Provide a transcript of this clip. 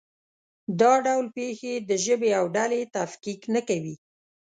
دا ډول پېښې د ژبې او ډلې تفکیک نه کوي.